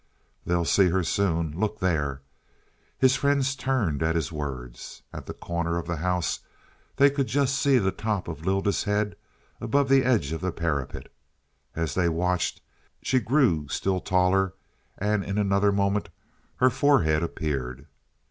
"They'll see her soon look there." His friends turned at his words. At the corner of the house they could just see the top of Lylda's head above the edge of the parapet. As they watched she grew still taller and in another moment her forehead appeared.